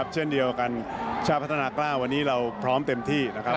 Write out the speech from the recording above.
เช่นเดียวกันชาติพัฒนากล้าวันนี้เราพร้อมเต็มที่นะครับ